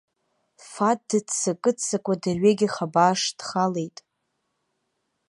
Фаҭ дыццакы-ццакуа дырҩегьых абааш дхалеит.